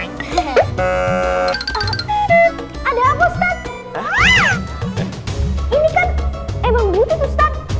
ini kan emang butir tuh stan